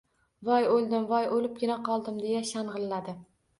— Voy o‘ldim, voy o‘libgina qoldim, — deya shang‘illadi.